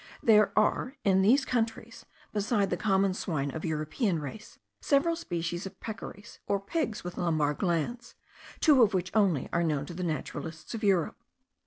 There are in these countries, besides the common swine of European race, several species of peccaries, or pigs with lumbar glands, two of which only are known to the naturalists of Europe.